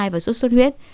và suất suất huyết